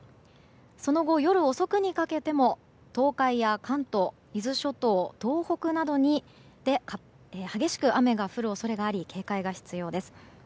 その後、夜遅くにかけても東海や関東伊豆諸島、東北などで激しく雨が降る恐れがあり警戒が必要です。